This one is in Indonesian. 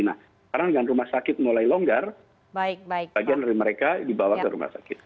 nah sekarang dengan rumah sakit mulai longgar bagian dari mereka dibawa ke rumah sakit